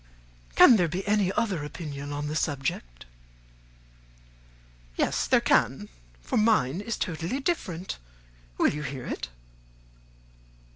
Can there be any other opinion on the subject?" "Yes, there can; for mine is totally different. Will you hear it?"